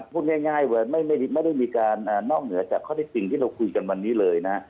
พูดง่ายว่าไม่ได้มีการนอกเหนือจากข้อได้จริงที่เราคุยกันวันนี้เลยนะ